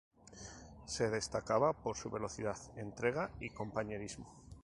Se destacaba por su velocidad, entrega y compañerismo.